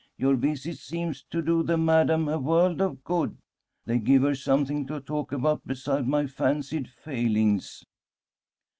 Your visits seem to do the madam a world of good. They give her something to talk about beside my fancied failings."